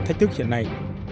thách thức hiện nay